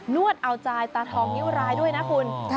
วดเอาใจตาทองนิ้วรายด้วยนะคุณ